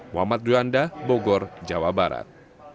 muhammad juanda bogor jawa barat